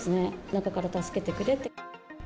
中から助けてくれって。